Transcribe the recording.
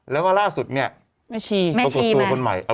แล้วมาล่าสุดเนี่ยโปรกตัวคนใหม่แม่ชีมัน